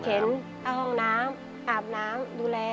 เอาห้องน้ำอาบน้ำดูแล